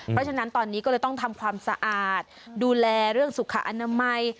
เพราะฉะนั้นตอนนี้ก็เลยต้องทำความสะอาดดูแลเรื่องสุขอนามัย